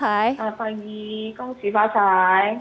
selamat pagi kongsi fatsai